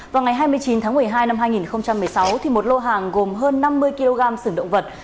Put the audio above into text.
vào ngày hai mươi chín tháng một mươi hai năm hai nghìn một mươi sáu một lô hàng gồm hơn năm mươi kg sửng động vật